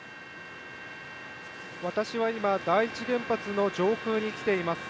私は今、第一原発の上空に来ています。